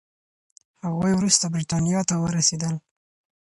هغوی وروسته بریتانیا ته ورسېدل.